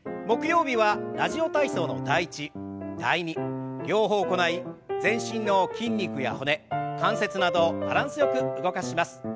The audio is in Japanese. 木曜日は「ラジオ体操」の「第１」「第２」両方行い全身の筋肉や骨関節などをバランスよく動かします。